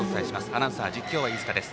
アナウンサー、実況は飯塚です。